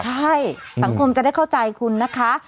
ใช่สังคมจะได้เข้าใจคุณนะคะ